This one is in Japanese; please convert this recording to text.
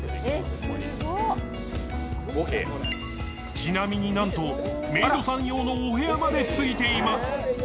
ちなみになんとメイドさんようのお部屋までついています。